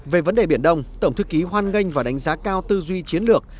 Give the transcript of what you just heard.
về vấn đề biển đông tổng thư ký hoan nghênh và đánh giá cao tư duy chiến lược